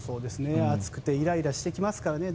暑くてイライラしてきますからね。